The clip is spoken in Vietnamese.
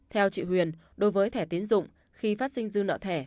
theo chị huyền đối với thẻ tiến dụng khi phát sinh dư nợ thẻ